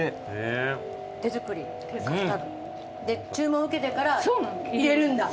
注文受けてから入れるんだ。